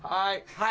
はい。